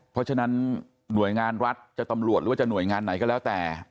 เพราะฉะนั้นหน่วยงานรัฐจะตำรวจหรือว่าจะหน่วยงานไหนก็แล้วแต่